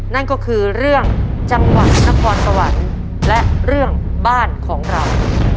นั่นก็คือเรื่องจังหวัดนครสวรรค์และเรื่องบ้านของเรา